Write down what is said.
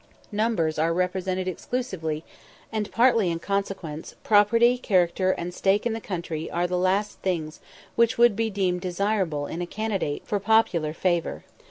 Numbers are represented exclusively, and partly in consequence, property, character, and stake in the country are the last things which would be deemed desirable in a candidate for popular favour.